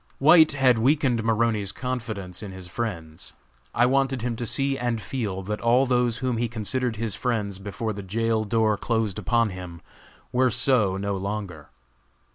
White had weakened Maroney's confidence in his friends. I wanted him to see and feel that all those whom he considered his friends before the jail door closed upon him, were so no longer.